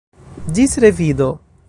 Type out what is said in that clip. Ĝis revido.